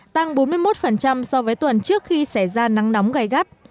tăng bốn mươi một so với tuần trước khi xảy ra nắng nóng gai gắt